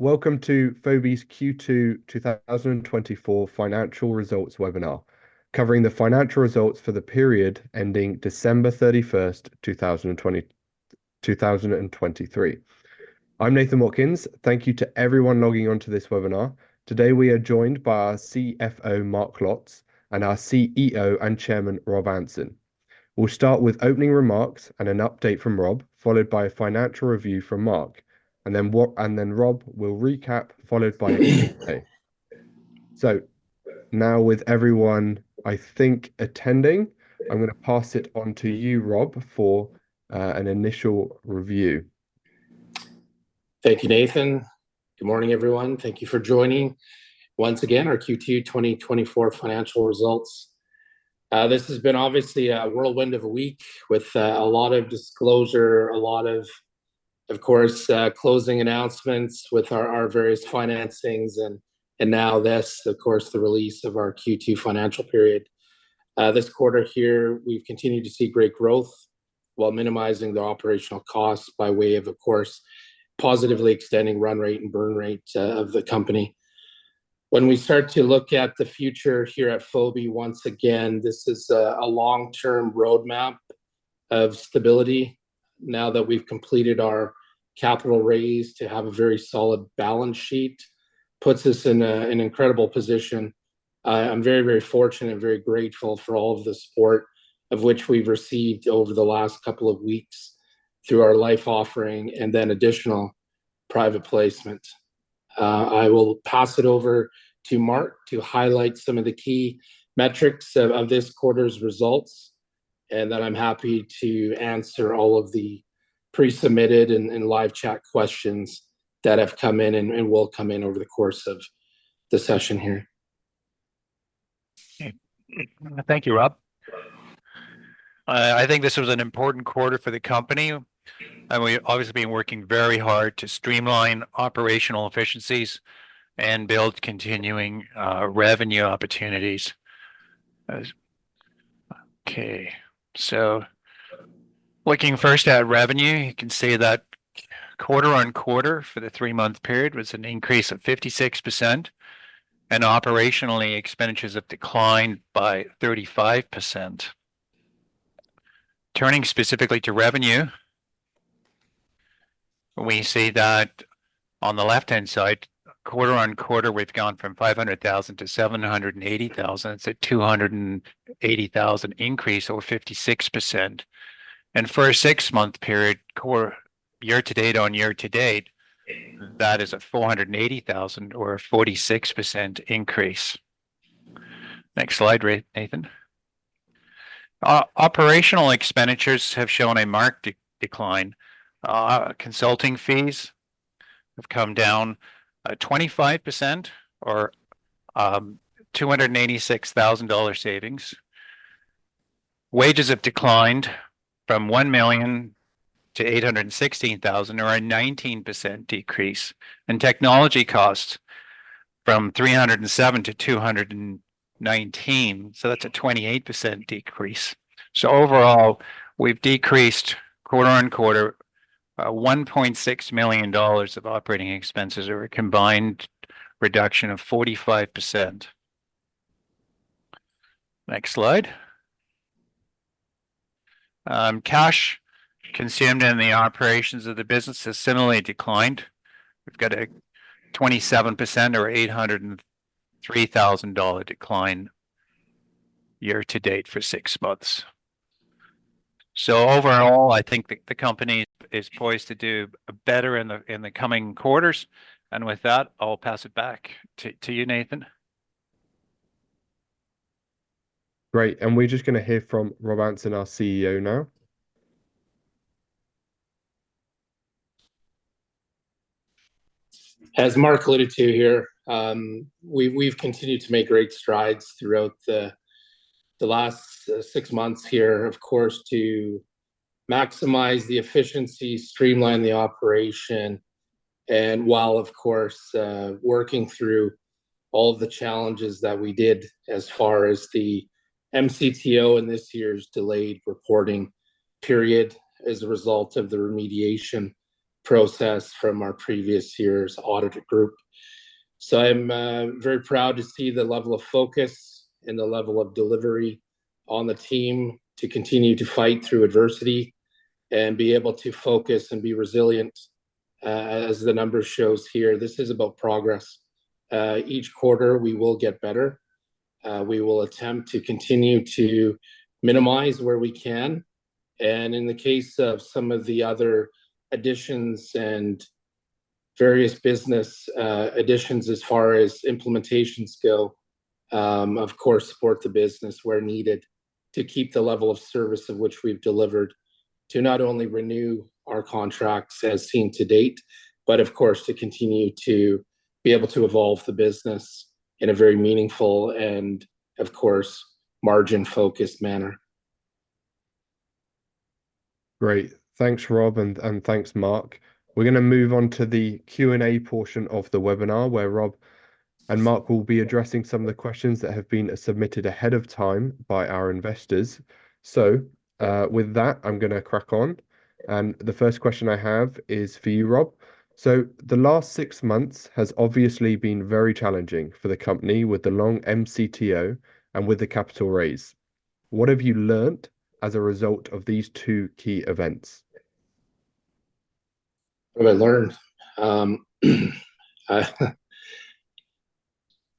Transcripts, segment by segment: Welcome to Fobi's Q2 2024 financial results webinar, covering the financial results for the period ending December 31, 2023. I'm Nathan Watkins. Thank you to everyone logging on to this webinar. Today we are joined by our CFO, Mark Lotz; and our CEO and Chairman, Rob Anson. We'll start with opening remarks and an update from Rob, followed by a financial review from Mark, and then Rob will recap, followed by an update. Now with everyone, I think, attending, I'm going to pass it on to you, Rob, for an initial review. Thank you, Nathan. Good morning, everyone. Thank you for joining. Once again, our Q2 2024 financial results. This has been obviously a whirlwind of a week with a lot of disclosure, a lot of, of course, closing announcements with our various financings, and now this, of course, the release of our Q2 financial period. This quarter here, we've continued to see great growth while minimizing the operational costs by way of, of course, positively extending run rate and burn rate of the company. When we start to look at the future here at Fobi, once again, this is a long-term roadmap of stability. Now that we've completed our capital raise to have a very solid balance sheet, it puts us in an incredible position. I'm very, very fortunate and very grateful for all of the support of which we've received over the last couple of weeks through our LIFE offering and then additional private placement. I will pass it over to Mark to highlight some of the key metrics of this quarter's results, and then I'm happy to answer all of the pre-submitted and live chat questions that have come in and will come in over the course of the session here. Thank you, Rob. I think this was an important quarter for the company. We've obviously been working very hard to streamline operational efficiencies and build continuing revenue opportunities. Okay, so looking first at revenue, you can see that quarter-on-quarter for the three-month period was an increase of 56%, and operationally, expenditures have declined by 35%. Turning specifically to revenue, we see that on the left-hand side, quarter-on-quarter, we've gone from 500,000 to 780,000. It's a 280,000 increase, or 56%. For a six-month period, year-to-date on year-to-date, that is a 480,000, or a 46% increase. Next slide, Nathan. Operational expenditures have shown a marked decline. Consulting fees have come down 25%, or 286,000 dollars savings. Wages have declined from 1 million to 816,000, or a 19% decrease. Technology costs from 307,000 to 219,000. That's a 28% decrease. Overall, we've decreased quarter-over-quarter 1.6 million dollars of operating expenses, or a combined reduction of 45%. Next slide. Cash consumed in the operations of the business has similarly declined. We've got a 27%, or 803,000 dollar, decline year-to-date for six months. Overall, I think the company is poised to do better in the coming quarters. With that, I'll pass it back to you, Nathan. Great. We're just going to hear from Rob Anson, our CEO, now. As Mark alluded to here, we've continued to make great strides throughout the last six months here, of course, to maximize the efficiency, streamline the operation, and while, of course, working through all of the challenges that we did as far as the MCTO and this year's delayed reporting period as a result of the remediation process from our previous year's audited group. So I'm very proud to see the level of focus and the level of delivery on the team to continue to fight through adversity and be able to focus and be resilient. As the number shows here, this is about progress. Each quarter, we will get better. We will attempt to continue to minimize where we can. In the case of some of the other additions and various business additions as far as implementation scale, of course, support the business where needed to keep the level of service of which we've delivered to not only renew our contracts as seen to date, but, of course, to continue to be able to evolve the business in a very meaningful and, of course, margin-focused manner. Great. Thanks, Rob, and thanks, Mark. We're going to move on to the Q&A portion of the webinar, where Rob and Mark will be addressing some of the questions that have been submitted ahead of time by our investors. So with that, I'm going to crack on. And the first question I have is for you, Rob. So the last six months has obviously been very challenging for the company with the long MCTO and with the capital raise. What have you learned as a result of these two key events? What have I learned?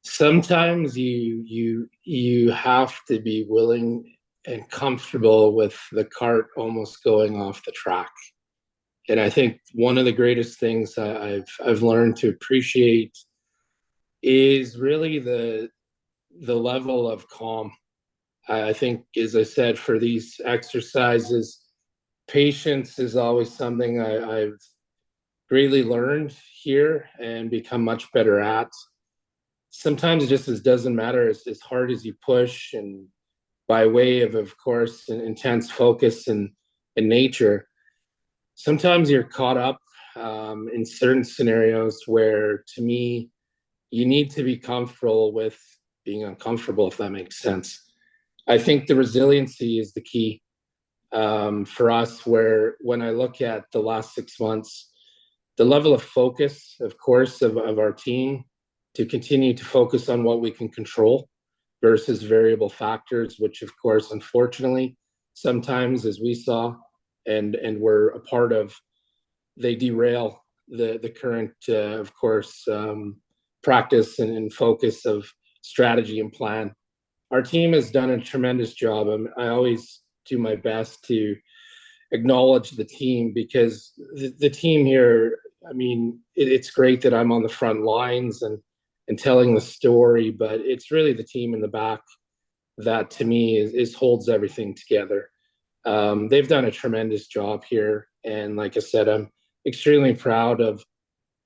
Sometimes you have to be willing and comfortable with the cart almost going off the track. I think one of the greatest things I've learned to appreciate is really the level of calm. I think, as I said, for these exercises, patience is always something I've greatly learned here and become much better at. Sometimes it just doesn't matter as hard as you push. And by way of, of course, intense focus in nature, sometimes you're caught up in certain scenarios where, to me, you need to be comfortable with being uncomfortable, if that makes sense. I think the resiliency is the key for us. When I look at the last six months, the level of focus, of course, of our team to continue to focus on what we can control versus variable factors, which, of course, unfortunately, sometimes, as we saw and were a part of, they derail the current, of course, practice and focus of strategy and plan. Our team has done a tremendous job. I always do my best to acknowledge the team because the team here, I mean, it's great that I'm on the front lines and telling the story, but it's really the team in the back that, to me, holds everything together. They've done a tremendous job here. And like I said, I'm extremely proud of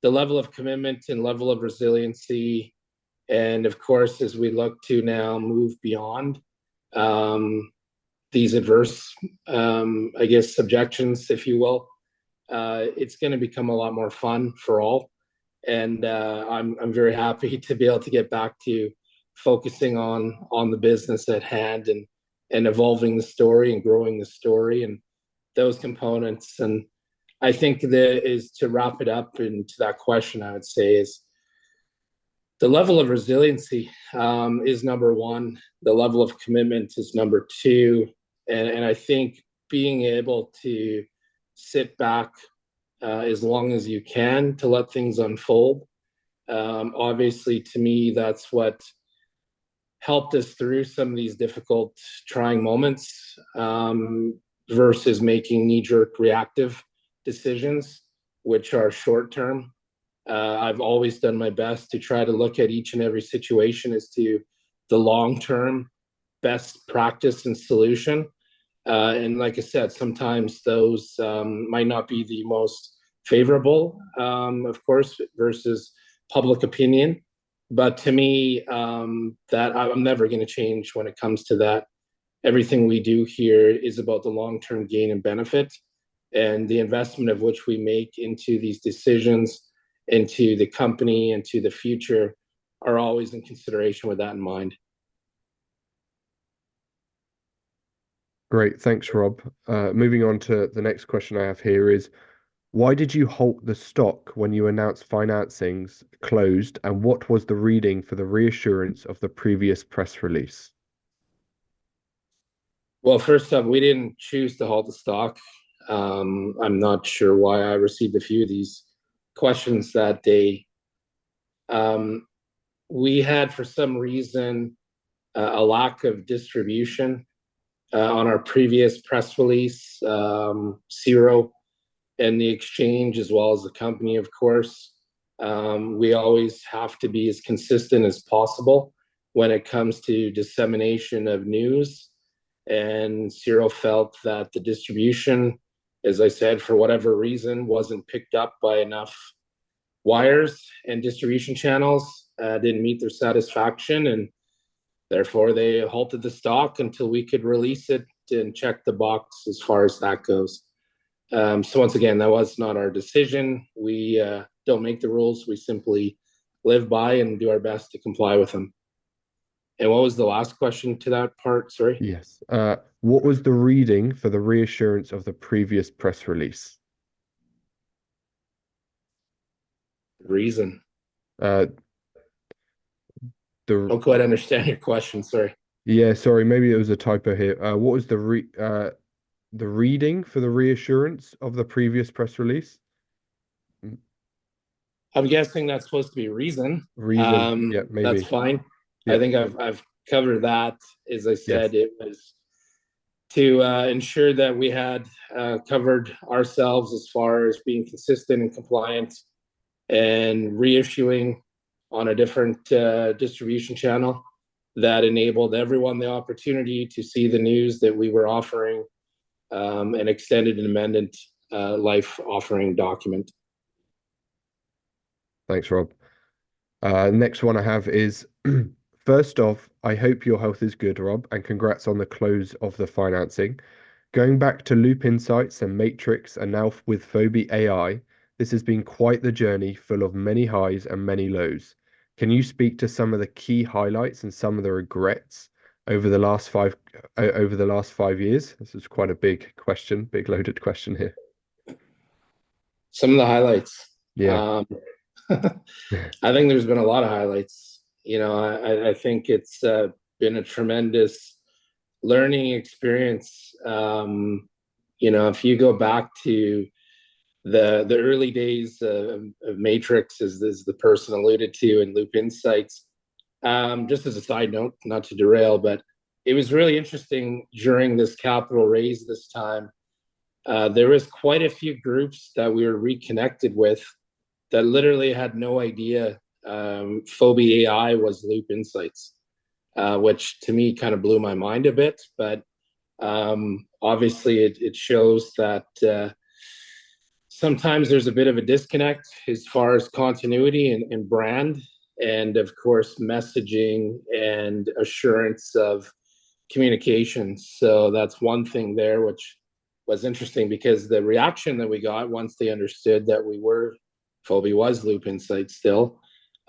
the level of commitment and level of resiliency. Of course, as we look to now move beyond these adverse, I guess, subjections, if you will, it's going to become a lot more fun for all. I'm very happy to be able to get back to focusing on the business at hand and evolving the story and growing the story and those components. I think to wrap it up into that question, I would say, the level of resiliency is number one. The level of commitment is number two. I think being able to sit back as long as you can to let things unfold, obviously to me, that's what helped us through some of these difficult trying moments versus making knee-jerk reactive decisions, which are short-term. I've always done my best to try to look at each and every situation as to the long-term best practice and solution. Like I said, sometimes those might not be the most favorable, of course, versus public opinion. To me, that I'm never going to change when it comes to that. Everything we do here is about the long-term gain and benefit, and the investment of which we make into these decisions, into the company, into the future, are always in consideration with that in mind. Great. Thanks, Rob. Moving on to the next question I have here is, why did you halt the stock when you announced financings closed, and what was the reading for the reissuance of the previous press release? Well, first off, we didn't choose to halt the stock. I'm not sure why I received a few of these questions that day. We had, for some reason, a lack of distribution on our previous press release, CIRO, and the exchange, as well as the company, of course. We always have to be as consistent as possible when it comes to dissemination of news. CIRO felt that the distribution, as I said, for whatever reason, wasn't picked up by enough wires and distribution channels, didn't meet their satisfaction. And therefore, they halted the stock until we could release it and check the box as far as that goes. So once again, that was not our decision. We don't make the rules. We simply live by and do our best to comply with them. And what was the last question to that part? Sorry? Yes. What was the reading for the reissuance of the previous press release? The reason? The. I don't quite understand your question. Sorry. Yeah, sorry. Maybe it was a typo here. What was the reading for the reassurance of the previous press release? I'm guessing that's supposed to be reason. Reason. Yeah, maybe. That's fine. I think I've covered that. As I said, it was to ensure that we had covered ourselves as far as being consistent and compliant and reissuing on a different distribution channel that enabled everyone the opportunity to see the news that we were offering, an extended and amended LIFE offering document. Thanks, Rob. Next one I have is, first off, I hope your health is good, Rob, and congrats on the close of the financing. Going back to Loop Insights and Matrix and now with Fobi AI, this has been quite the journey full of many highs and many lows. Can you speak to some of the key highlights and some of the regrets over the last five years? This is quite a big question, big loaded question here. Some of the highlights? Yeah. I think there's been a lot of highlights. I think it's been a tremendous learning experience. If you go back to the early days of Matrix, as the person alluded to in Loop Insights, just as a side note, not to derail, but it was really interesting during this capital raise this time. There was quite a few groups that we were reconnected with that literally had no idea Fobi AI was Loop Insights, which, to me, kind of blew my mind a bit. But obviously, it shows that sometimes there's a bit of a disconnect as far as continuity and brand and, of course, messaging and assurance of communication. So that's one thing there, which was interesting because the reaction that we got once they understood that Fobi was Loop Insights still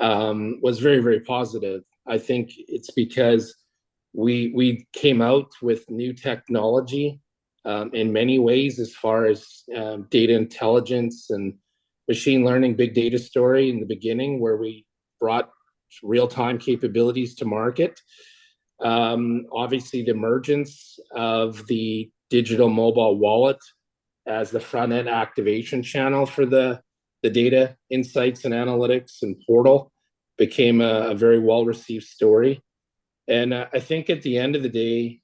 was very, very positive. I think it's because we came out with new technology in many ways as far as data intelligence and machine learning, big data story in the beginning, where we brought real-time capabilities to market. Obviously, the emergence of the digital mobile wallet as the front-end activation channel for the data insights and analytics and portal became a very well-received story. And I think at the end of the day,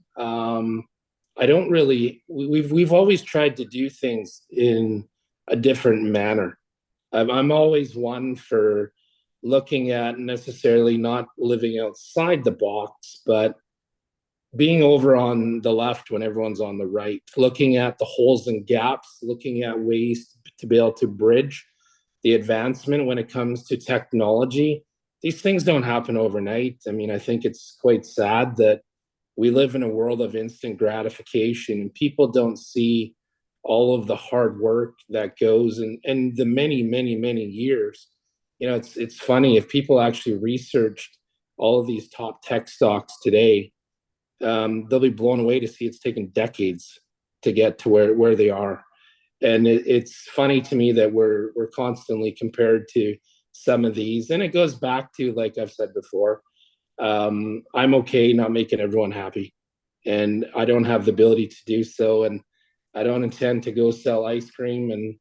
we've always tried to do things in a different manner. I'm always one for looking at necessarily not living outside the box, but being over on the left when everyone's on the right. Looking at the holes and gaps, looking at ways to be able to bridge the advancement when it comes to technology. These things don't happen overnight. I mean, I think it's quite sad that we live in a world of instant gratification, and people don't see all of the hard work that goes and the many, many, many years. It's funny. If people actually researched all of these top tech stocks today, they'll be blown away to see it's taken decades to get to where they are. It's funny to me that we're constantly compared to some of these. It goes back to, like I've said before, I'm okay not making everyone happy, and I don't have the ability to do so. I don't intend to go sell ice cream and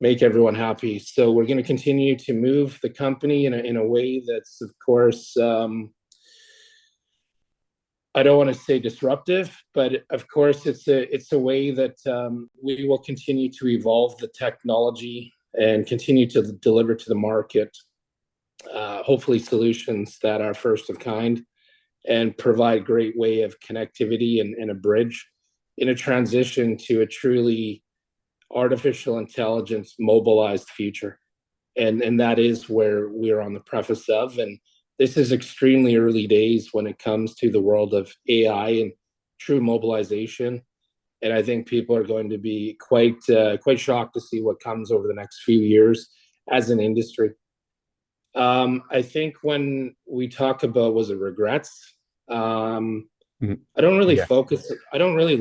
make everyone happy. So we're going to continue to move the company in a way that's, of course, I don't want to say disruptive, but of course, it's a way that we will continue to evolve the technology and continue to deliver to the market, hopefully, solutions that are first of kind and provide a great way of connectivity and a bridge in a transition to a truly artificial intelligence mobilized future. And that is where we are on the precipice of. And this is extremely early days when it comes to the world of AI and true mobilization. And I think people are going to be quite shocked to see what comes over the next few years as an industry. I think when we talk about, was it regrets? Mm-hmm. I don't really focus. I don't really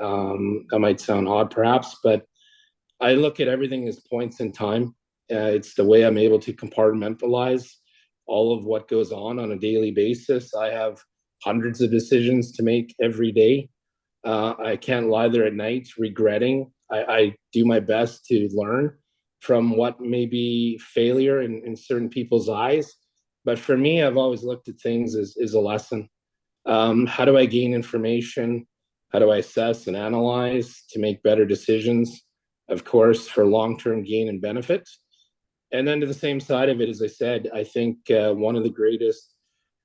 look at things as regrets. That might sound odd, perhaps, but I look at everything as points in time. It's the way I'm able to compartmentalize all of what goes on on a daily basis. I have hundreds of decisions to make every day. I can't lie there at night regretting. I do my best to learn from what may be failure in certain people's eyes. But for me, I've always looked at things as a lesson. How do I gain information? How do I assess and analyze to make better decisions, of course, for long-term gain and benefits? And then to the same side of it, as I said, I think one of the greatest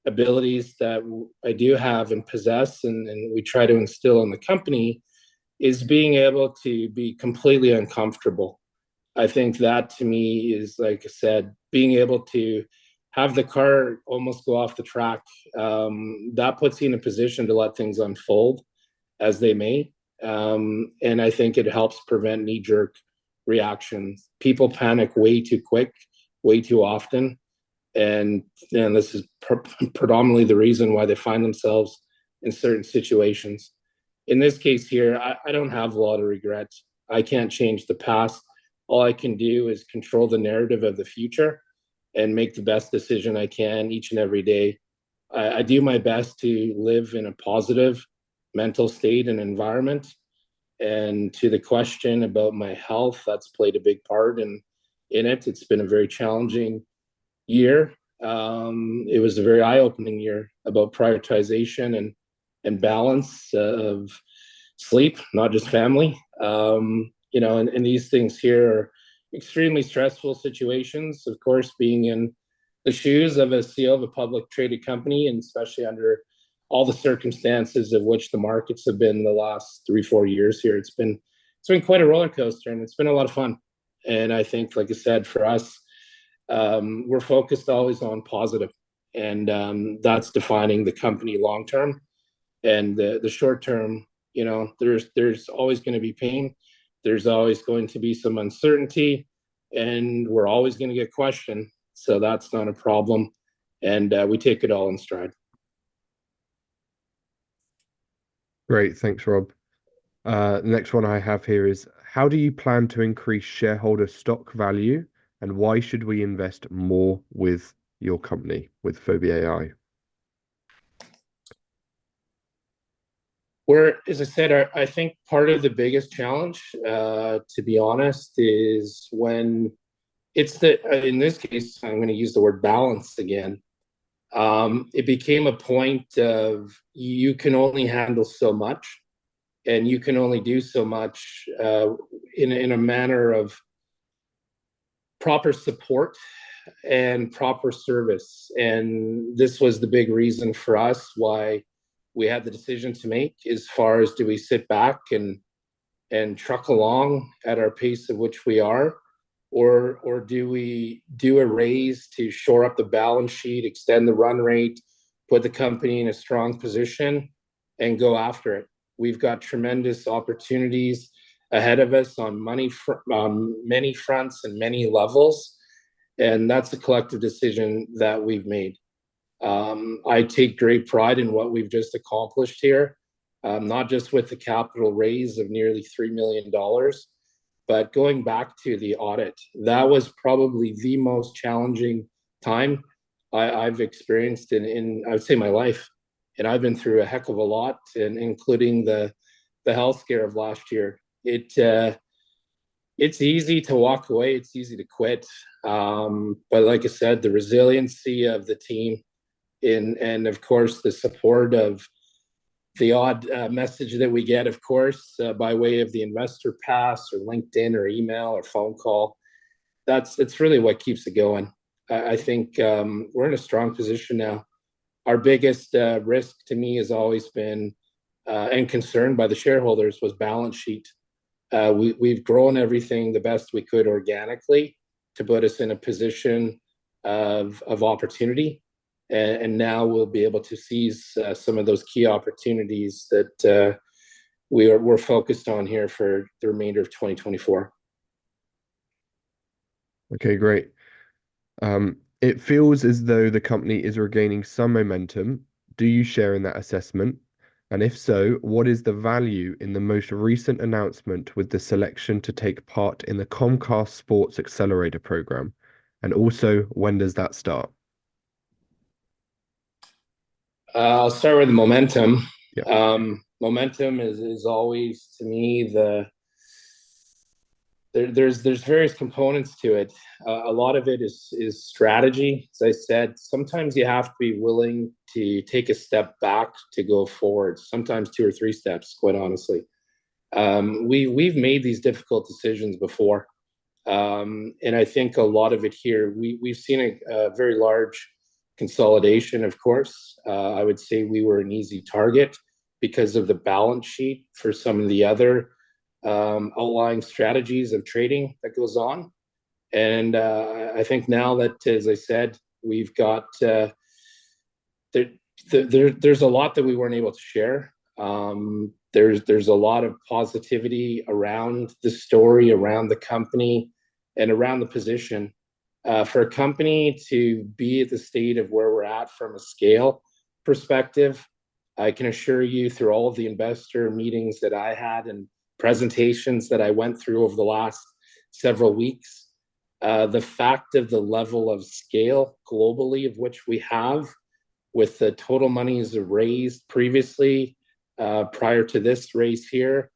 abilities that I do have and possess and we try to instill in the company is being able to be completely uncomfortable. I think that, to me, is, like I said, being able to have the car almost go off the track. That puts you in a position to let things unfold as they may. And I think it helps prevent knee-jerk reactions. People panic way too quick, way too often. And this is predominantly the reason why they find themselves in certain situations. In this case here, I don't have a lot of regrets. I can't change the past. All I can do is control the narrative of the future and make the best decision I can each and every day. I do my best to live in a positive mental state and environment. And to the question about my health, that's played a big part in it. It's been a very challenging year. It was a very eye-opening year about prioritization and balance of sleep, not just family. These things here are extremely stressful situations. Of course, being in the shoes of a CEO of a publicly traded company, and especially under all the circumstances of which the markets have been the last 3-4 years here, it's been quite a roller coaster, and it's been a lot of fun. I think, like I said, for us, we're focused always on positive. That's defining the company long-term. The short term, there's always going to be pain. There's always going to be some uncertainty. We're always going to get questioned. That's not a problem. We take it all in stride. Great. Thanks, Rob. The next one I have here is, how do you plan to increase shareholder stock value, and why should we invest more with your company, with Fobi AI? Where, as I said, I think part of the biggest challenge, to be honest, is when it's the in this case. I'm going to use the word balance again. It became a point of you can only handle so much, and you can only do so much in a manner of proper support and proper service. And this was the big reason for us why we had the decision to make as far as do we sit back and truck along at our pace at which we are, or do we do a raise to shore up the balance sheet, extend the run rate, put the company in a strong position, and go after it? We've got tremendous opportunities ahead of us on many fronts and many levels. And that's a collective decision that we've made. I take great pride in what we've just accomplished here, not just with the capital raise of nearly 3 million dollars, but going back to the audit, that was probably the most challenging time I've experienced in, I would say, my life. I've been through a heck of a lot, including the healthcare of last year. It's easy to walk away. It's easy to quit. But like I said, the resiliency of the team and, of course, the support of the odd message that we get, of course, by way of the investor pass or LinkedIn or email or phone call, that's really what keeps it going. I think we're in a strong position now. Our biggest risk, to me, has always been and concern by the shareholders was balance sheet. We've grown everything the best we could organically to put us in a position of opportunity. Now we'll be able to seize some of those key opportunities that we're focused on here for the remainder of 2024. Okay, great. It feels as though the company is regaining some momentum. Do you share in that assessment? And if so, what is the value in the most recent announcement with the selection to take part in the Comcast SportsTech Accelerator program? And also, when does that start? I'll start with the momentum. Momentum is always, to me, there's various components to it. A lot of it is strategy. As I said, sometimes you have to be willing to take a step back to go forward, sometimes two or three steps, quite honestly. We've made these difficult decisions before. And I think a lot of it here, we've seen a very large consolidation, of course. I would say we were an easy target because of the balance sheet for some of the other outlying strategies of trading that goes on. And I think now that, as I said, we've got, there's a lot that we weren't able to share. There's a lot of positivity around the story, around the company, and around the position. For a company to be at the state of where we're at from a scale perspective, I can assure you, through all of the investor meetings that I had and presentations that I went through over the last several weeks, the fact of the level of scale globally of which we have, with the total monies raised previously, prior to this raise here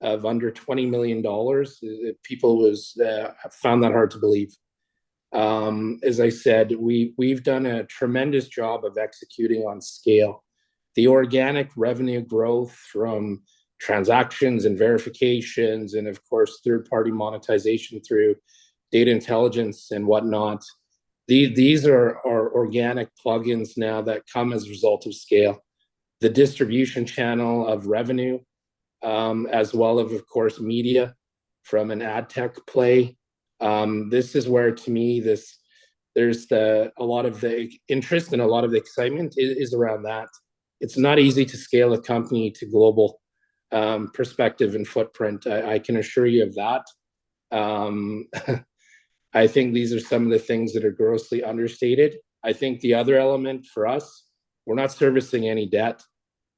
of under 20 million dollars, people have found that hard to believe. As I said, we've done a tremendous job of executing on scale. The organic revenue growth from transactions and verifications and, of course, third-party monetization through data intelligence and whatnot, these are organic plugins now that come as a result of scale. The distribution channel of revenue, as well as, of course, media from an ad tech play, this is where, to me, there's a lot of the interest and a lot of the excitement is around that. It's not easy to scale a company to global perspective and footprint. I can assure you of that. I think these are some of the things that are grossly understated. I think the other element for us, we're not servicing any debt.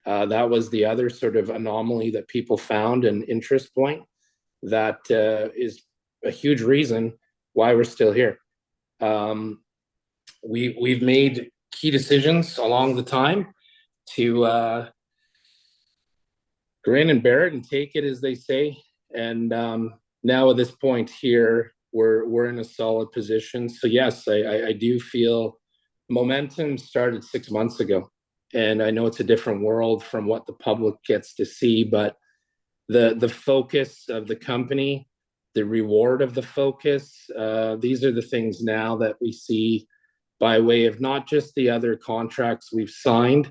That was the other sort of anomaly that people found and interest point that is a huge reason why we're still here. We've made key decisions along the time to grin and bear it and take it as they say. And now, at this point here, we're in a solid position. So yes, I do feel momentum started six months ago. I know it's a different world from what the public gets to see. But the focus of the company, the reward of the focus, these are the things now that we see by way of not just the other contracts we've signed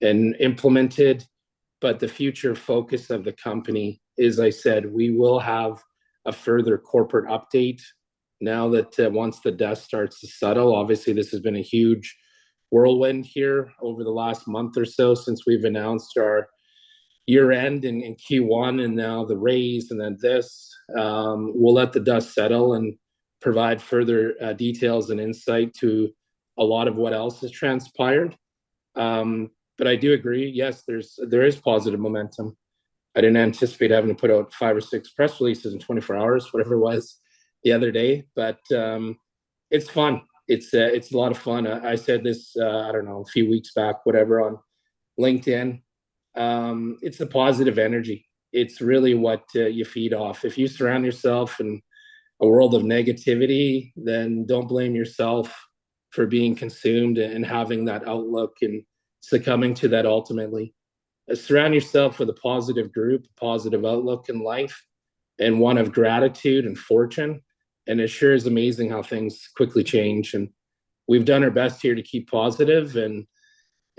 and implemented, but the future focus of the company is, I said, we will have a further corporate update now that once the dust starts to settle. Obviously, this has been a huge whirlwind here over the last month or so since we've announced our year-end in Q1 and now the raise and then this. We'll let the dust settle and provide further details and insight to a lot of what else has transpired. But I do agree, yes, there is positive momentum. I didn't anticipate having to put out five or six press releases in 24 hours, whatever it was the other day. But it's fun. It's a lot of fun. I said this, I don't know, a few weeks back, whatever, on LinkedIn. It's a positive energy. It's really what you feed off. If you surround yourself in a world of negativity, then don't blame yourself for being consumed and having that outlook and succumbing to that ultimately. Surround yourself with a positive group, positive outlook in life, and one of gratitude and fortune. And it sure is amazing how things quickly change. And we've done our best here to keep positive. And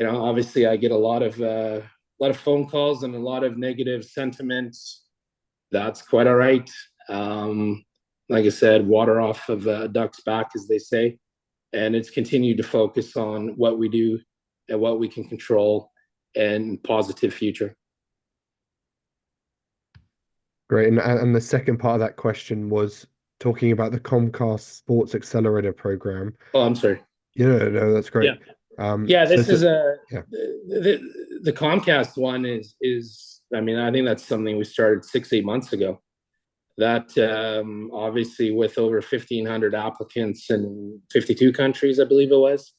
obviously, I get a lot of phone calls and a lot of negative sentiments. That's quite all right. Like I said, water off of a duck's back, as they say. And it's continued to focus on what we do and what we can control and positive future. Great. The second part of that question was talking about the Comcast SportsTech Accelerator program. Oh, I'm sorry. Yeah, no, that's great. Yeah, this is the Comcast one. I mean, I think that's something we started 6-8 months ago. That obviously, with over 1,500 applicants in 52 countries, I believe it was,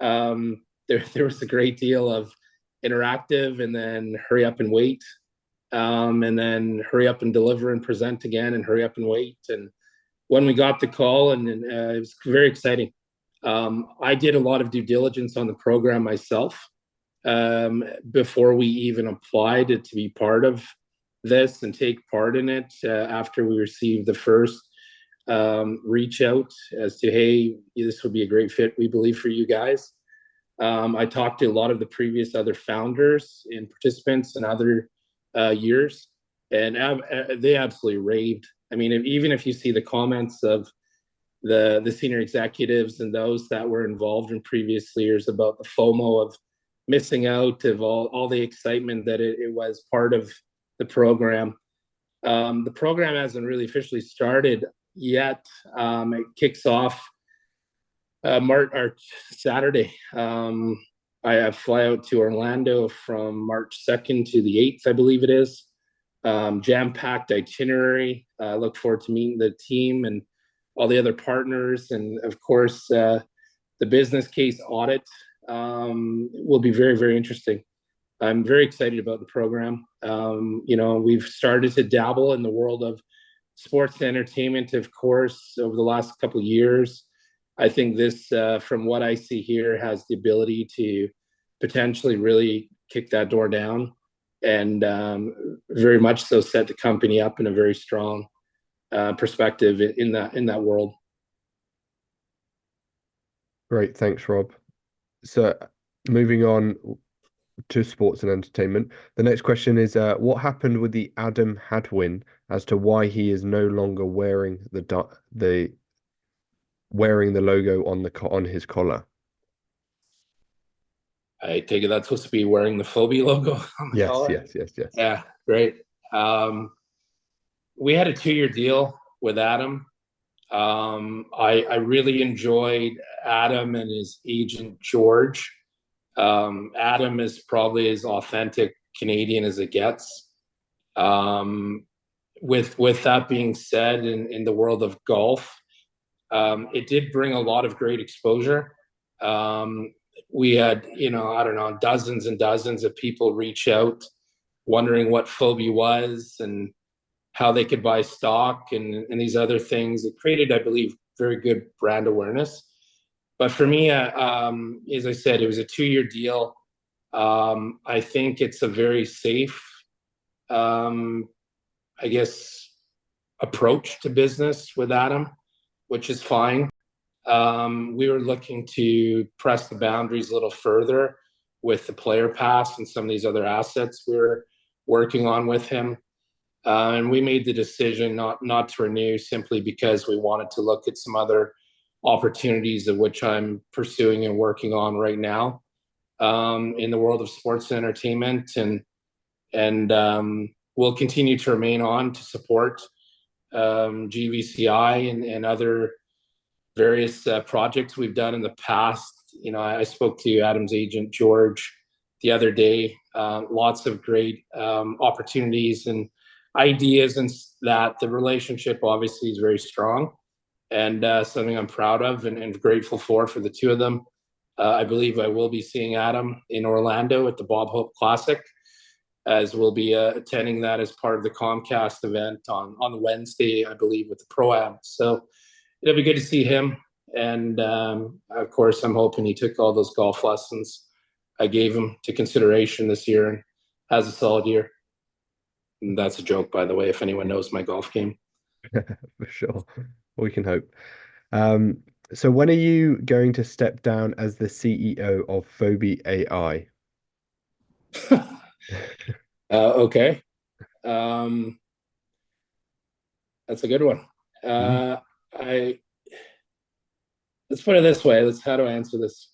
there was a great deal of interaction and then hurry up and wait and then hurry up and deliver and present again and hurry up and wait. And when we got the call, it was very exciting. I did a lot of due diligence on the program myself before we even applied to it to be part of this and take part in it after we received the first reach out as to, "Hey, this would be a great fit, we believe, for you guys." I talked to a lot of the previous other founders and participants in other years. They absolutely raved. I mean, even if you see the comments of the senior executives and those that were involved in previous years about the FOMO of missing out, of all the excitement that it was part of the program, the program hasn't really officially started yet. It kicks off Saturday. I fly out to Orlando from March 2nd to the 8th, I believe it is. Jam-packed itinerary. I look forward to meeting the team and all the other partners. And of course, the business case audit will be very, very interesting. I'm very excited about the program. We've started to dabble in the world of sports and entertainment, of course, over the last couple of years. I think this, from what I see here, has the ability to potentially really kick that door down and very much so set the company up in a very strong perspective in that world. Great. Thanks, Rob. So moving on to sports and entertainment, the next question is, what happened with the Adam Hadwin as to why he is no longer wearing the logo on his collar? I take it that's supposed to be wearing the Fobi logo on the collar? Yes, yes, yes, yes. Yeah, great. We had a 2-year deal with Adam. I really enjoyed Adam and his agent, George. Adam is probably as authentic Canadian as it gets. With that being said, in the world of golf, it did bring a lot of great exposure. We had, I don't know, dozens and dozens of people reach out wondering what Fobi was and how they could buy stock and these other things. It created, I believe, very good brand awareness. But for me, as I said, it was a 2-year deal. I think it's a very safe, I guess, approach to business with Adam, which is fine. We were looking to press the boundaries a little further with the Player Pass and some of these other assets we were working on with him. We made the decision not to renew simply because we wanted to look at some other opportunities of which I'm pursuing and working on right now in the world of sports and entertainment. We'll continue to remain on to support GVCI and other various projects we've done in the past. I spoke to Adam's agent, George, the other day. Lots of great opportunities and ideas in that the relationship, obviously, is very strong and something I'm proud of and grateful for for the two of them. I believe I will be seeing Adam in Orlando at the Bob Hope Classic, as we'll be attending that as part of the Comcast event on Wednesday, I believe, with the pro-am. It'll be good to see him. Of course, I'm hoping he took all those golf lessons I gave him into consideration this year and has a solid year. That's a joke, by the way, if anyone knows my golf game. For sure. We can hope. When are you going to step down as the CEO of Fobi AI? Okay. That's a good one. Let's put it this way. How do I answer this?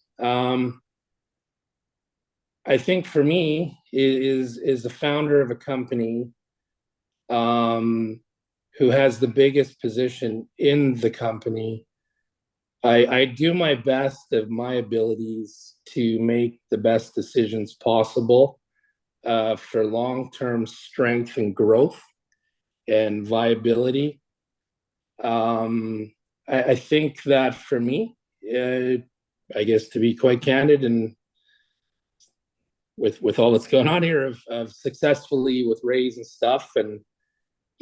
I think for me, as the founder of a company who has the biggest position in the company, I do my best of my abilities to make the best decisions possible for long-term strength and growth and viability. I think that for me, I guess, to be quite candid, and with all that's going on here of successfully with raise and stuff, and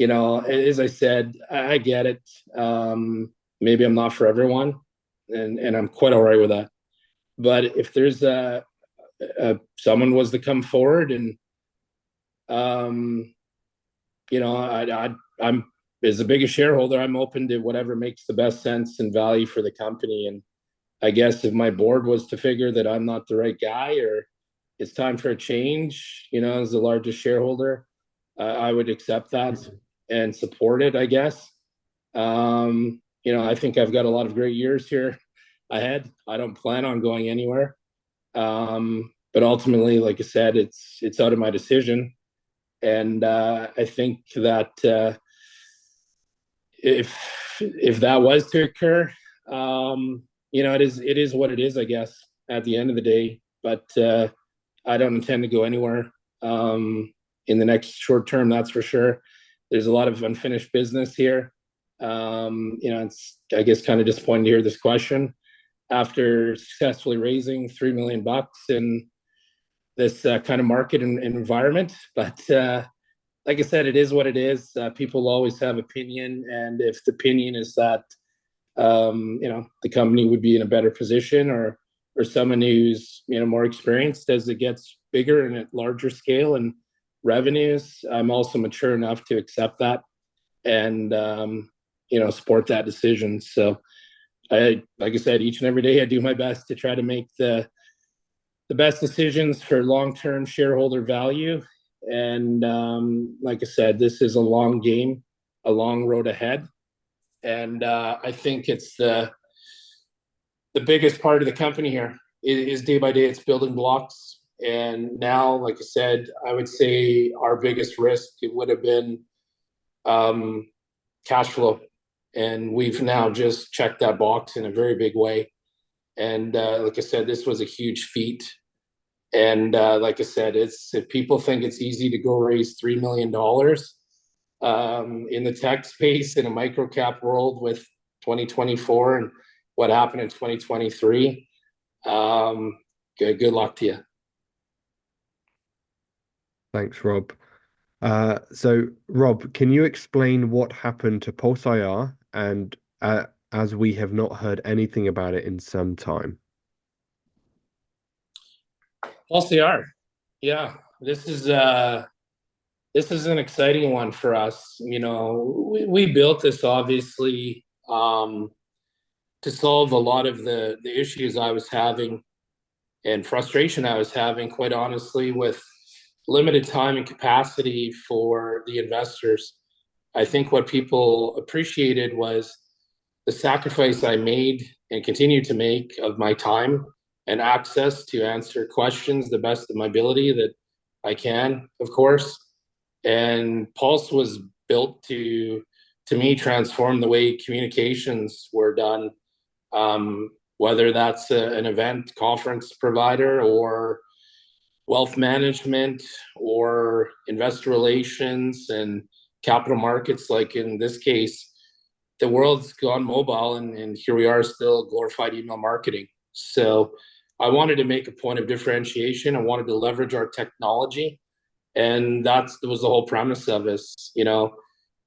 as I said, I get it. Maybe I'm not for everyone, and I'm quite all right with that. But if someone was to come forward and as the biggest shareholder, I'm open to whatever makes the best sense and value for the company. And I guess if my board was to figure that I'm not the right guy or it's time for a change as the largest shareholder, I would accept that and support it, I guess. I think I've got a lot of great years here ahead. I don't plan on going anywhere. But ultimately, like I said, it's out of my decision. And I think that if that was to occur, it is what it is, I guess, at the end of the day. But I don't intend to go anywhere in the next short term, that's for sure. There's a lot of unfinished business here. It's, I guess, kind of disappointing to hear this question after successfully raising 3 million bucks in this kind of market and environment. But like I said, it is what it is. People always have opinion. If the opinion is that the company would be in a better position or someone who's more experienced as it gets bigger and at larger scale and revenues, I'm also mature enough to accept that and support that decision. So like I said, each and every day, I do my best to try to make the best decisions for long-term shareholder value. And like I said, this is a long game, a long road ahead. And I think the biggest part of the company here is day by day, it's building blocks. And now, like I said, I would say our biggest risk, it would have been cash flow. And we've now just checked that box in a very big way. And like I said, this was a huge feat. Like I said, if people think it's easy to go raise 3 million dollars in the tech space in a Microcap world with 2024 and what happened in 2023, good luck to you. Thanks, Rob. So Rob, can you explain what happened to PulseIR as we have not heard anything about it in some time? PulseIR, yeah. This is an exciting one for us. We built this, obviously, to solve a lot of the issues I was having and frustration I was having, quite honestly, with limited time and capacity for the investors. I think what people appreciated was the sacrifice I made and continue to make of my time and access to answer questions the best of my ability that I can, of course. And Pulse was built to, to me, transform the way communications were done, whether that's an event conference provider or wealth management or investor relations and capital markets. Like in this case, the world's gone mobile, and here we are still glorified email marketing. So I wanted to make a point of differentiation. I wanted to leverage our technology. And that was the whole premise of us.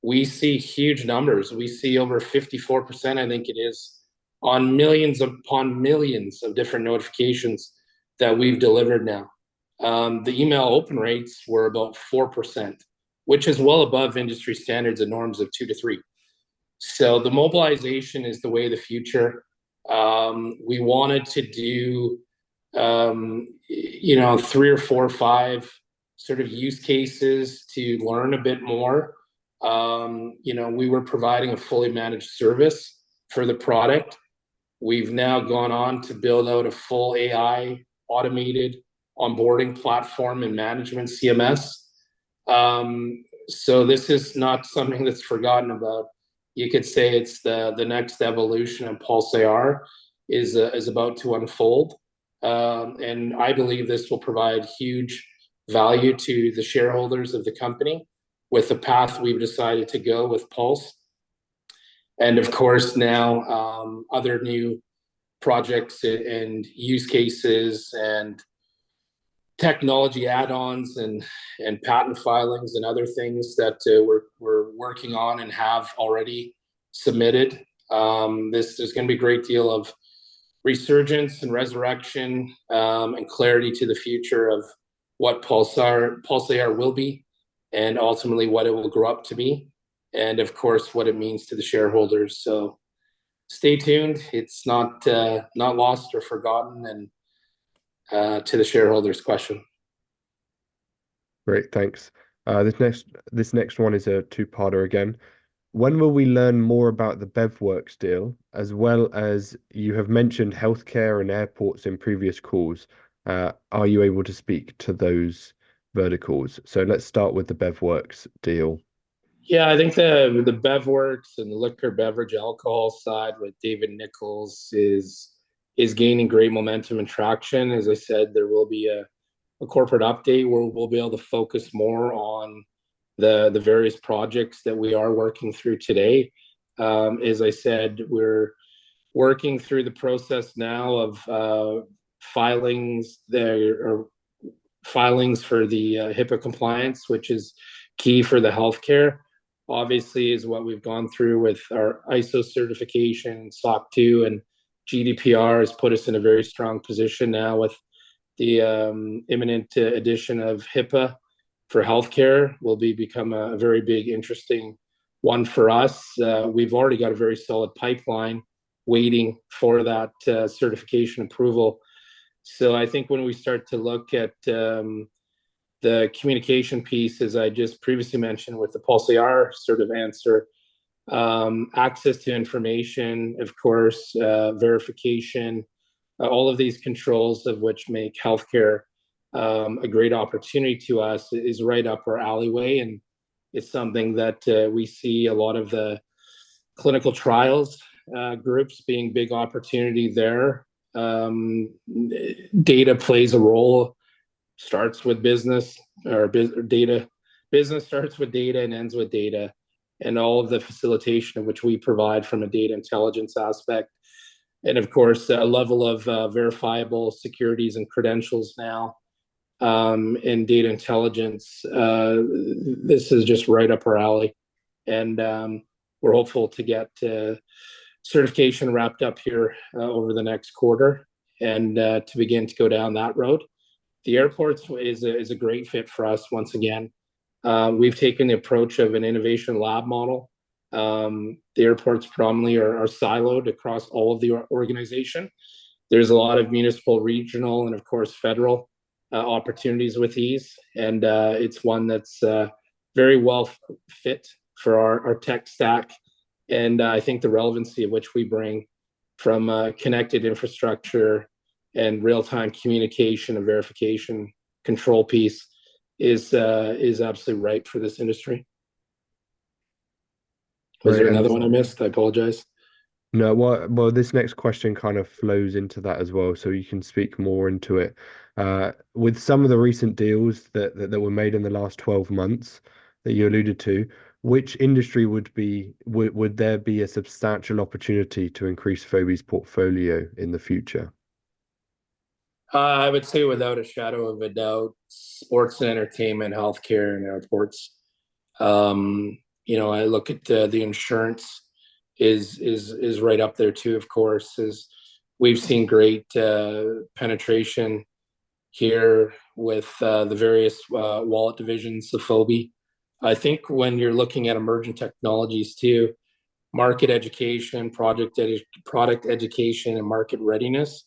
We see huge numbers. We see over 54%, I think it is, on millions upon millions of different notifications that we've delivered now. The email open rates were about 4%, which is well above industry standards and norms of 2%-3%. So the mobilization is the way of the future. We wanted to do three or four, five sort of use cases to learn a bit more. We were providing a fully managed service for the product. We've now gone on to build out a full AI automated onboarding platform and management CMS. So this is not something that's forgotten about. You could say it's the next evolution of PulseIR is about to unfold. And I believe this will provide huge value to the shareholders of the company with the path we've decided to go with Pulse. Of course, now, other new projects and use cases and technology add-ons and patent filings and other things that we're working on and have already submitted. There's going to be a great deal of resurgence and resurrection and clarity to the future of what Pulse IR will be and ultimately what it will grow up to be and, of course, what it means to the shareholders. So stay tuned. It's not lost or forgotten. And to the shareholders' question. Great. Thanks. This next one is a two-parter again. When will we learn more about the BevWorks deal? As well as you have mentioned healthcare and airports in previous calls, are you able to speak to those verticals? Let's start with the BevWorks deal. Yeah, I think the BevWorks and the liquor beverage alcohol side with David Nicholls is gaining great momentum and traction. As I said, there will be a corporate update where we'll be able to focus more on the various projects that we are working through today. As I said, we're working through the process now of filings for the HIPAA compliance, which is key for the healthcare, obviously, is what we've gone through with our ISO certification, SOC 2, and GDPR has put us in a very strong position now with the imminent addition of HIPAA for healthcare will become a very big, interesting one for us. We've already got a very solid pipeline waiting for that certification approval. So I think when we start to look at the communication piece, as I just previously mentioned with the PulseIR sort of answer, access to information, of course, verification, all of these controls of which make healthcare a great opportunity to us is right up our alleyway. And it's something that we see a lot of the clinical trials groups being big opportunity there. Data plays a role. Business starts with data and ends with data. And all of the facilitation of which we provide from a data intelligence aspect. And of course, a level of verifiable securities and credentials now in data intelligence, this is just right up our alley. And we're hopeful to get certification wrapped up here over the next quarter and to begin to go down that road. The airports is a great fit for us. Once again, we've taken the approach of an innovation lab model. The airports predominantly are siloed across all of the organization. There's a lot of municipal, regional, and of course, federal opportunities with ease. It's one that's very well fit for our tech stack. I think the relevancy of which we bring from connected infrastructure and real-time communication and verification control piece is absolutely right for this industry. Was there another one I missed? I apologize. No, well, this next question kind of flows into that as well. So you can speak more into it. With some of the recent deals that were made in the last 12 months that you alluded to, which industry would there be a substantial opportunity to increase Fobi's portfolio in the future? I would say without a shadow of a doubt, sports and entertainment, healthcare, and airports. I look at the insurance is right up there too, of course, as we've seen great penetration here with the various wallet divisions of Fobi. I think when you're looking at emerging technologies too, market education, product education, and market readiness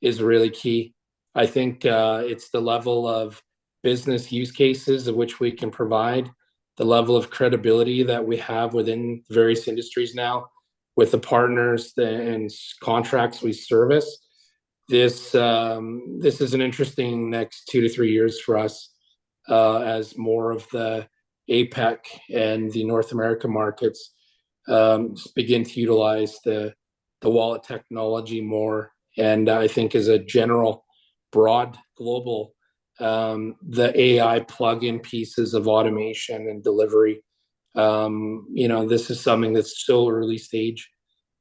is really key. I think it's the level of business use cases of which we can provide, the level of credibility that we have within various industries now with the partners and contracts we service. This is an interesting next 2-3 years for us as more of the APEC and the North America markets begin to utilize the wallet technology more. And I think as a general, broad, global, the AI plug-in pieces of automation and delivery, this is something that's still early stage.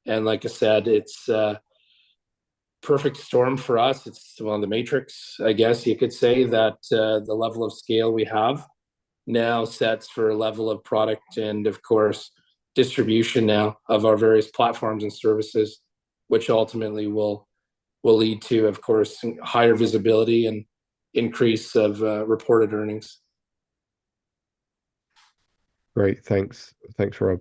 Like I said, it's a perfect storm for us. It's still on the Matrix, I guess you could say, that the level of scale we have now sets for a level of product and, of course, distribution now of our various platforms and services, which ultimately will lead to, of course, higher visibility and increase of reported earnings. Great. Thanks. Thanks, Rob.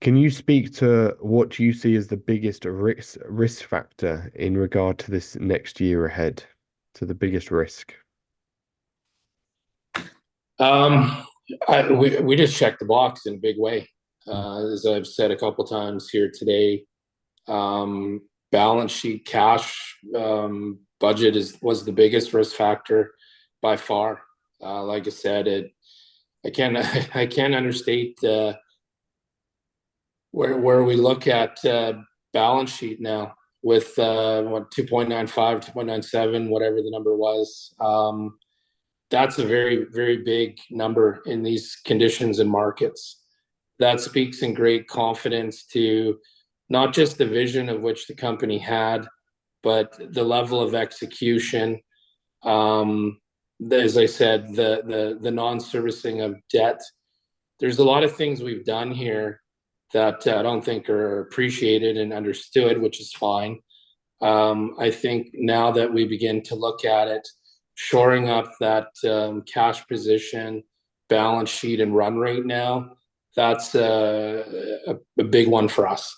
Can you speak to what you see as the biggest risk factor in regard to this next year ahead, to the biggest risk? We just checked the box in a big way. As I've said a couple of times here today, balance sheet cash budget was the biggest risk factor by far. Like I said, I can't understate where we look at balance sheet now with 2.95, 2.97, whatever the number was. That's a very, very big number in these conditions and markets. That speaks in great confidence to not just the vision of which the company had, but the level of execution. As I said, the non-servicing of debt. There's a lot of things we've done here that I don't think are appreciated and understood, which is fine. I think now that we begin to look at it, shoring up that cash position, balance sheet, and run rate now, that's a big one for us.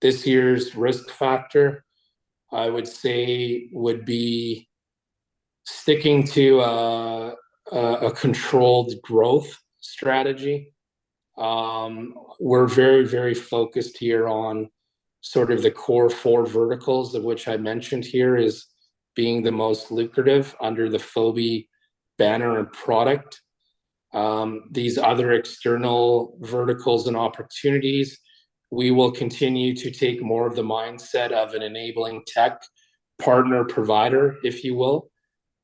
This year's risk factor, I would say, would be sticking to a controlled growth strategy. We're very, very focused here on sort of the core four verticals of which I mentioned here as being the most lucrative under the Fobi banner and product. These other external verticals and opportunities, we will continue to take more of the mindset of an enabling tech partner provider, if you will,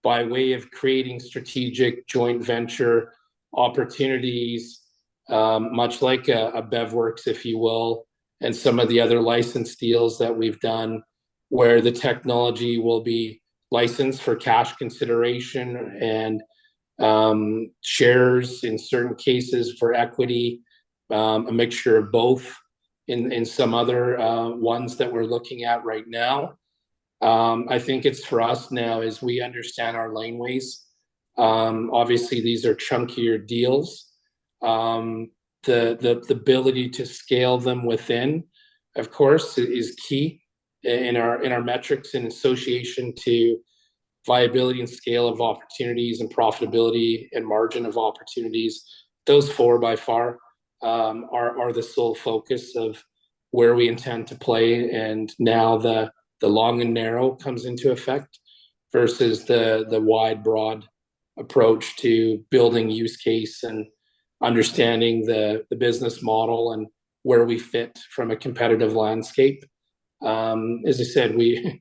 by way of creating strategic joint venture opportunities, much like a BevWorks, if you will, and some of the other licensed deals that we've done where the technology will be licensed for cash consideration and shares in certain cases for equity, a mixture of both in some other ones that we're looking at right now. I think it's for us now as we understand our laneways. Obviously, these are chunkier deals. The ability to scale them within, of course, is key in our metrics in association to viability and scale of opportunities and profitability and margin of opportunities. Those four by far are the sole focus of where we intend to play. Now the long and narrow comes into effect versus the wide-broad approach to building use case and understanding the business model and where we fit from a competitive landscape. As I said, we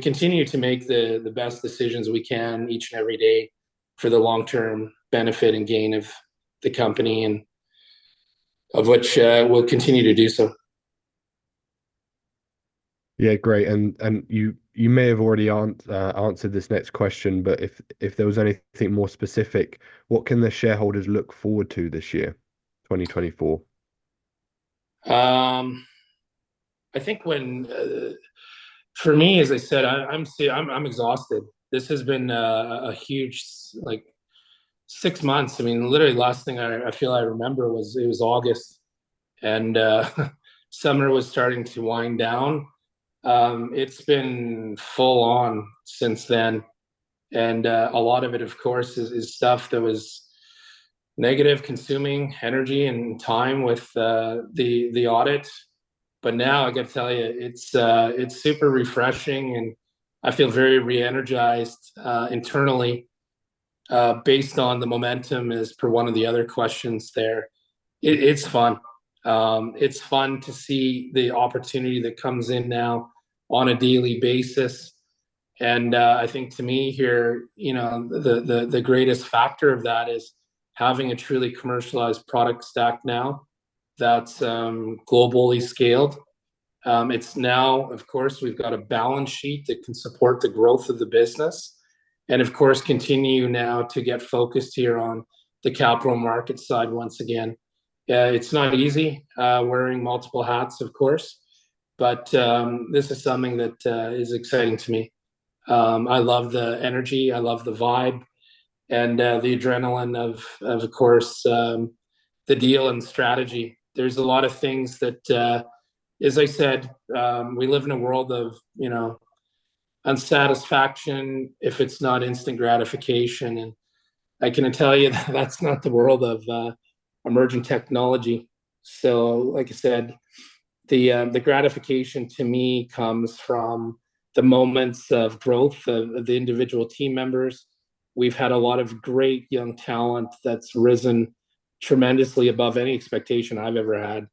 continue to make the best decisions we can each and every day for the long-term benefit and gain of the company, of which we'll continue to do so. Yeah, great. You may have already answered this next question, but if there was anything more specific, what can the shareholders look forward to this year, 2024? I think for me, as I said, I'm exhausted. This has been a huge six months. I mean, literally, the last thing I feel I remember was, it was August, and summer was starting to wind down. It's been full-on since then. And a lot of it, of course, is stuff that was negative, consuming energy and time with the audit. But now I got to tell you, it's super refreshing, and I feel very reenergized internally based on the momentum, as per one of the other questions there. It's fun. It's fun to see the opportunity that comes in now on a daily basis. And I think to me here, the greatest factor of that is having a truly commercialized product stack now that's globally scaled. Now, of course, we've got a balance sheet that can support the growth of the business and, of course, continue now to get focused here on the capital market side once again. It's not easy wearing multiple hats, of course, but this is something that is exciting to me. I love the energy. I love the vibe and the adrenaline of, of course, the deal and strategy. There's a lot of things that, as I said, we live in a world of unsatisfaction if it's not instant gratification. And I can tell you that that's not the world of emerging technology. So like I said, the gratification to me comes from the moments of growth of the individual team members. We've had a lot of great young talent that's risen tremendously above any expectation I've ever had.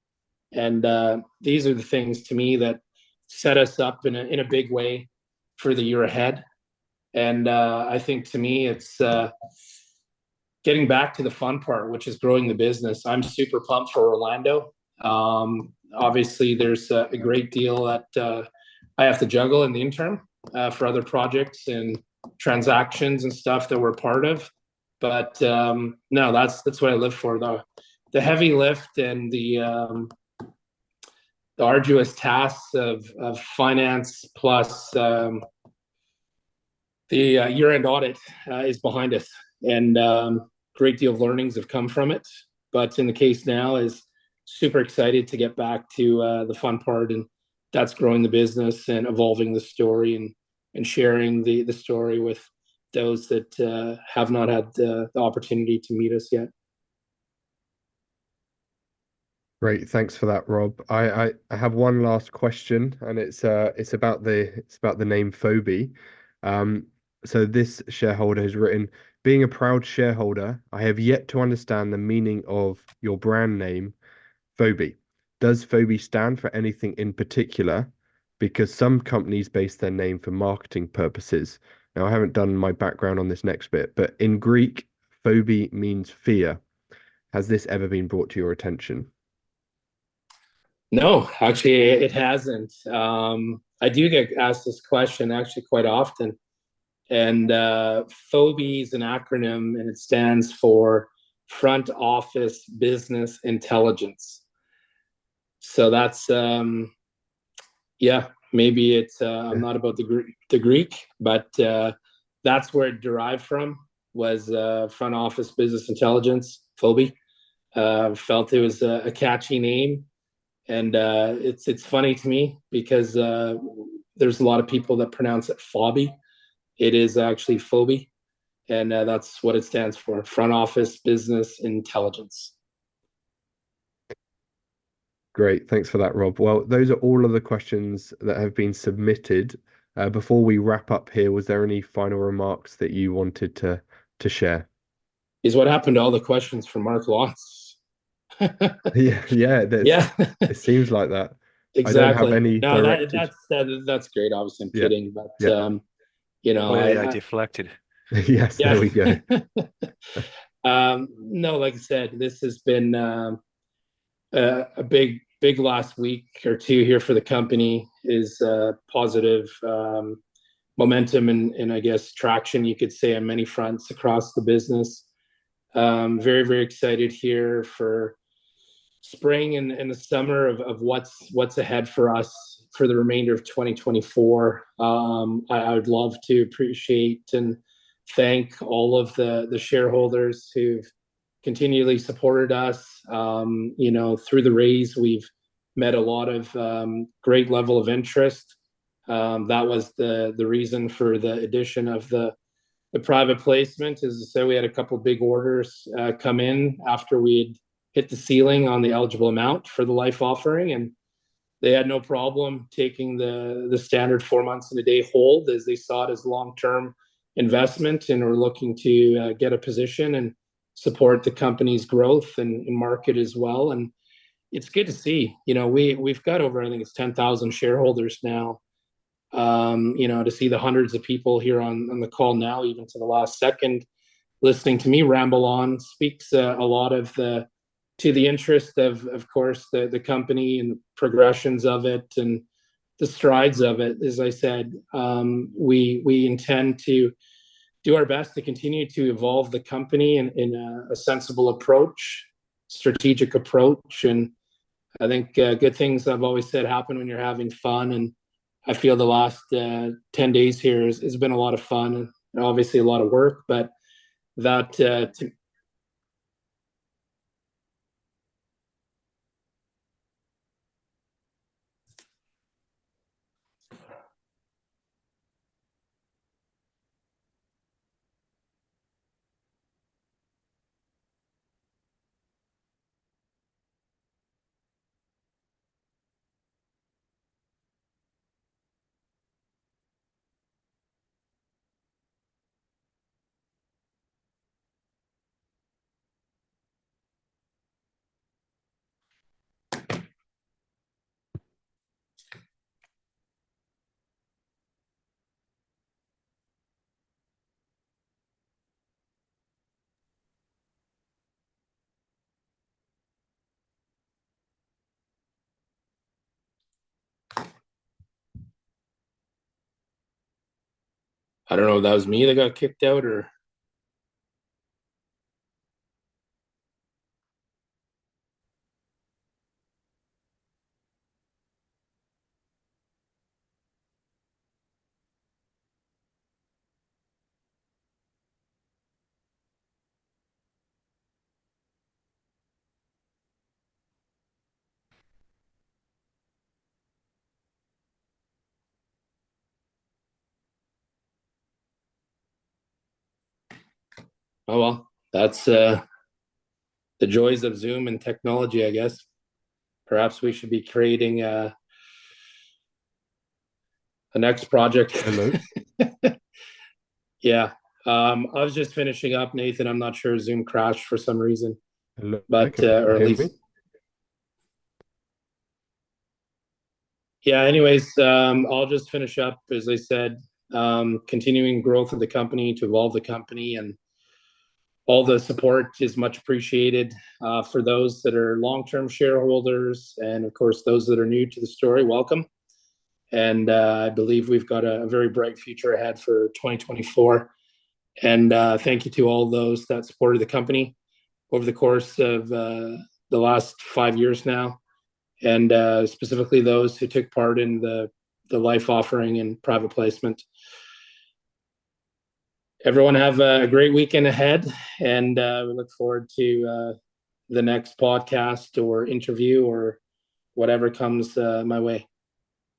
These are the things to me that set us up in a big way for the year ahead. I think to me, it's getting back to the fun part, which is growing the business. I'm super pumped for Orlando. Obviously, there's a great deal that I have to juggle in the interim for other projects and transactions and stuff that we're part of. But no, that's what I live for, though. The heavy lift and the arduous tasks of finance plus the year-end audit is behind us. A great deal of learnings have come from it. But in the case now, I'm super excited to get back to the fun part. That's growing the business and evolving the story and sharing the story with those that have not had the opportunity to meet us yet. Great. Thanks for that, Rob. I have one last question, and it's about the name Fobi. So this shareholder has written, "Being a proud shareholder, I have yet to understand the meaning of your brand name, Fobi. Does Fobi stand for anything in particular? Because some companies base their name for marketing purposes." Now, I haven't done my background on this next bit, but in Greek, Fobi means fear. Has this ever been brought to your attention? No, actually, it hasn't. I do get asked this question actually quite often. And Fobi is an acronym, and it stands for Front Office Business Intelligence. So yeah, maybe I'm not about the Greek, but that's where it derived from, was Front Office Business Intelligence, Fobi. Felt it was a catchy name. And it's funny to me because there's a lot of people that pronounce it Fobi. It is actually Fobi. And that's what it stands for, Front Office Business Intelligence. Great. Thanks for that, Rob. Well, those are all of the questions that have been submitted. Before we wrap up here, was there any final remarks that you wanted to share? Is what happened to all the questions from Mark Lotz? Yeah, yeah. It seems like that. I don't have any. Exactly. No, that's great, obviously. I'm kidding. But. Yeah, yeah, deflected. Yes, there we go. No, like I said, this has been a big last week or two here for the company, with positive momentum and, I guess, traction, you could say, on many fronts across the business. Very, very excited here for spring and the summer of what's ahead for us for the remainder of 2024. I would love to appreciate and thank all of the shareholders who've continually supported us. Through the raise, we've met a lot of great level of interest. That was the reason for the addition of the private placement, to say we had a couple of big orders come in after we had hit the ceiling on the eligible amount for the LIFE offering. They had no problem taking the standard four months and a day hold as they saw it as long-term investment and were looking to get a position and support the company's growth and market as well. It's good to see. We've got over, I think it's 10,000 shareholders now. To see the hundreds of people here on the call now, even to the last second, listening to me ramble on, speaks a lot to the interest of, of course, the company and the progressions of it and the strides of it. As I said, we intend to do our best to continue to evolve the company in a sensible approach, strategic approach. I think good things, I've always said, happen when you're having fun. I feel the last 10 days here has been a lot of fun and obviously a lot of work, but that. I don't know if that was me that got kicked out or? Oh, well, that's the joys of Zoom and technology, I guess. Perhaps we should be creating a next project. Hello? Yeah. I was just finishing up, Nathan. I'm not sure Zoom crashed for some reason, but or at least. Can hear me? Yeah. Anyways, I'll just finish up. As I said, continuing growth of the company to evolve the company. All the support is much appreciated for those that are long-term shareholders. Of course, those that are new to the story, welcome. I believe we've got a very bright future ahead for 2024. Thank you to all those that supported the company over the course of the last five years now, and specifically those who took part in the LIFE offering and private placement. Everyone have a great weekend ahead, and we look forward to the next podcast or interview or whatever comes my way.